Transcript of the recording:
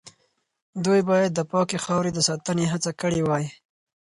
دوی باید د پاکې خاورې د ساتنې هڅه کړې وای.